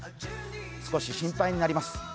少し心配になります。